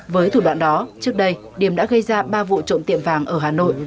với thủ đoạn đó trước đây điểm đã gây ra ba vụ trộm tiệm vàng ở hà nội